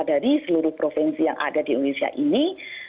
dari seluruh provinsi yang ada di indonesia ini